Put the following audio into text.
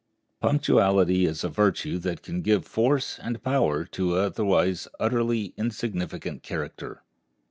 Punctuality is a virtue that can give force and power to an otherwise utterly insignificant character.